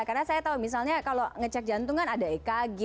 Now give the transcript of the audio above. karena saya tahu misalnya kalau ngecek jantung kan ada ekg kemudian ada trip